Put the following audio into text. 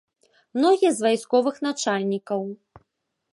Многія з вайсковых начальнікаў.